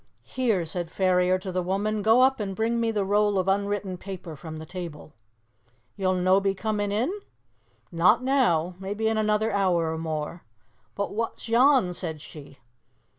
"Here," said Ferrier to the woman, "go up and bring me the roll of unwritten paper from the table." "You'll no be coming in?" "Not now. Maybe in another hour or more." "But wha's yon?" said she.